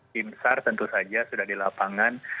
tim sar tentu saja sudah di lapangan